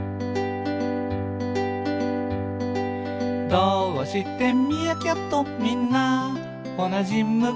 「どーうしてミーアキャットみんなおなじ向き？」